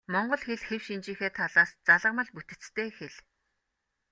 Монгол хэл хэв шинжийнхээ талаас залгамал бүтэцтэй хэл.